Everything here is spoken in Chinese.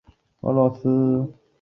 有子杨葆元。